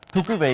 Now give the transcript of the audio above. thưa quý vị